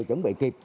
chuẩn bị kịp